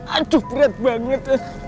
aduh berat banget